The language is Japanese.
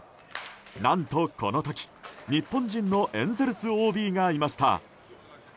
何とこの時、日本人のエンゼルスＯＢがいました。